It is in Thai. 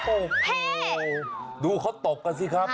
โอ้โหดูเขาตบกันสิครับ